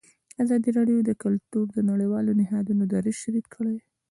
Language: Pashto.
ازادي راډیو د کلتور د نړیوالو نهادونو دریځ شریک کړی.